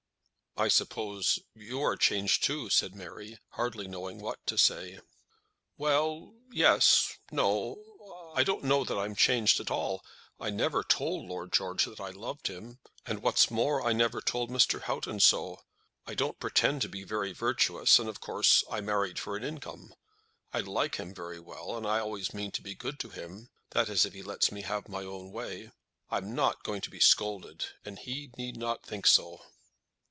"I suppose you are changed, too," said Mary, hardly knowing what to say. "Well, yes, no. I don't know that I'm changed at all. I never told Lord George that I loved him. And what's more, I never told Mr. Houghton so. I don't pretend to be very virtuous, and of course I married for an income. I like him very well, and I always mean to be good to him; that is, if he lets me have my own way. I'm not going to be scolded, and he need not think so."